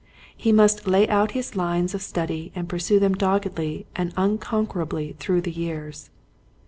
He must lay out his lines of study and pursue them doggedly and unconquerably through the years.